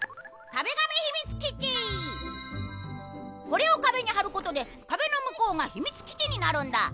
これを壁に貼ることで壁の向こうが秘密基地になるんだ